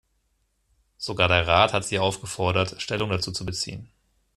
Sogar der Rat hat Sie aufgefordert, Stellung dazu zu beziehen.